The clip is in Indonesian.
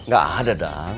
gak ada dang